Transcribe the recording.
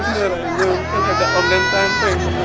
bener ainun kan ada om dan tante yang nangis